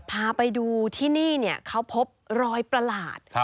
พาไปดูที่นี่เขาพบรอยประหลาด